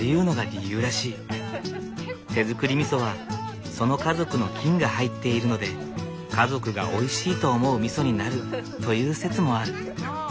手づくりみそはその家族の菌が入っているので家族がおいしいと思うみそになるという説もある。